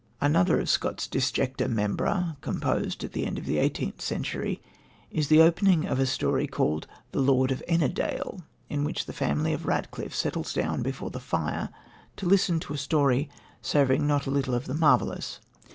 Another of Scott's disjecta membra, composed at the end of the eighteenth century, is the opening of a story called The Lord of Ennerdale, in which the family of Ratcliffe settle down before the fire to listen to a story "savouring not a little of the marvellous."